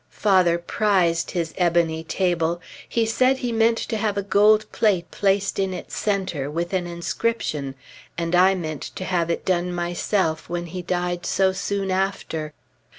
Father prized his ebony table. He said he meant to have a gold plate placed in its centre, with an inscription, and I meant to have it done myself when he died so soon after.